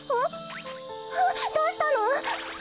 あっどうしたの？